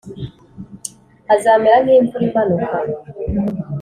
azamera nk’imvura imanuka,